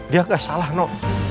dia tidak salah no